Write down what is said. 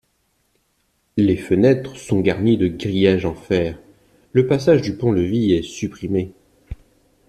Les fenêtres sont garnies de grillages en fer, le passage du pont-levis est supprimé.